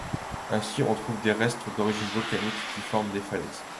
Ainsi, on trouve des restes d’origine volcanique qui forment des falaises.